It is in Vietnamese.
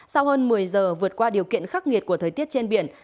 sau hơn một mươi giờ vượt qua điều kiện khắc nghiệt của thời tiết trên biển